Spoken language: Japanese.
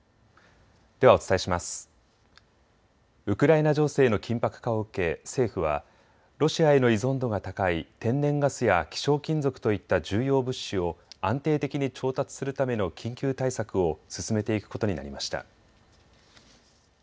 ウクライナ情勢の緊迫化を受け政府はロシアへの依存度が高い天然ガスや希少金属といった重要物資を安定的に調達するための緊急対策を進めていくことになりました。